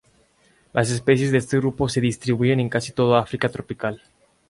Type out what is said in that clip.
Las especies de este grupo se distribuyen en casi toda África tropical.